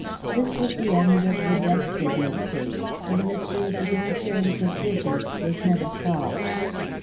This was the end of "The Death Signal Case," for the mystery of the disappearance of Bridges was never solved.